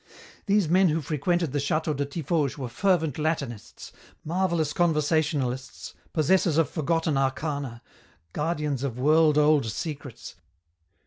These men who frequented the château de Tiffauges were fervent Latinists, marvellous conversationalists, possessors of forgotten arcana, guardians of world old secrets.